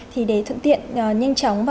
thì để thượng tiện nhanh chóng